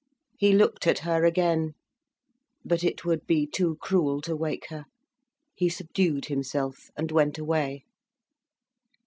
He looked at her again. But it would be too cruel to wake her. He subdued himself, and went away.